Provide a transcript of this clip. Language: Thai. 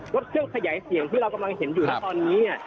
รถเครื่องขยายเสียงที่เรากำลังเห็นอยู่นะตอนนี้เนี่ย